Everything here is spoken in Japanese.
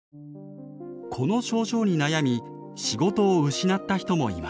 この症状に悩み仕事を失った人もいます。